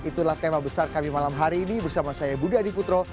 itulah tema besar kami malam hari ini bersama saya budi adiputro